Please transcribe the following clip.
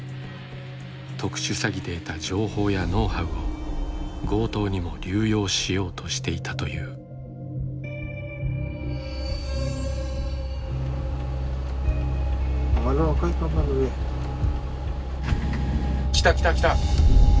特殊詐欺で得た情報やノウハウを強盗にも流用しようとしていたという。来た来た来た！